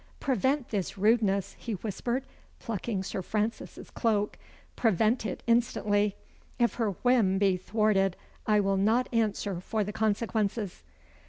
"Prevent this rudeness," he whispered, plucking Sir Francis's cloak. "Prevent it instantly. If her whim be thwarted, I will not answer for the consequences."